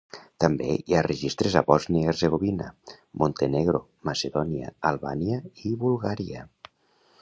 També hi ha registres a Bòsnia i Hercegovina, Montenegro, Macedònia, Albània i Bulgària.